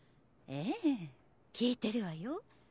ええ聞いてるわよ。